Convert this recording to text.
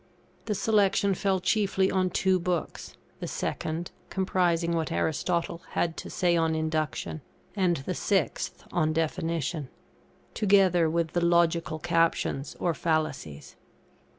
The selection fell chiefly on two books the second, comprising what Aristotle had to say on Induction, and the sixth, on Definition; together with the "Logical Captions" or Fallacies.